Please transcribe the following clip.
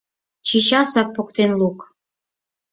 Чечасак поктен лук!..